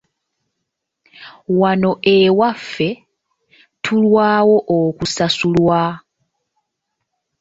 Wano ewaffe tulwawo okusasulwa.